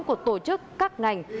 của tổ chức các ngành